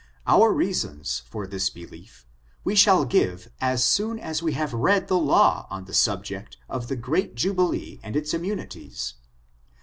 Our reasons for this belief we shall give as soon as we have read the law on the subject of the great jubilee and its immimities.